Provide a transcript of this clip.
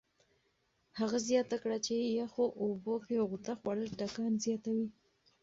هغه زیاته کړه چې یخو اوبو کې غوطه خوړل ټکان زیاتوي.